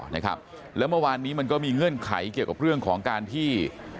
นะครับแล้วเมื่อวานนี้มันก็มีเงื่อนไขเกี่ยวกับเรื่องของการที่